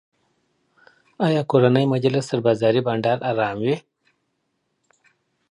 آیا کورنی مجلس تر بازاري بنډار ارام وي؟